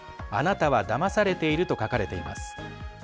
あなたはだまされている」と書かれています。